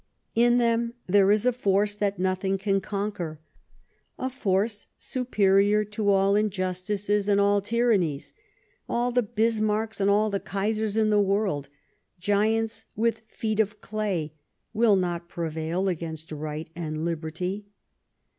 In them there is a force that nothing can conquer ; a force superior to all injustices and all tyrannies — all the Bismarcks and all the Kaisers in the world, giants with feet of clay, will not prevail against Right and Liberty.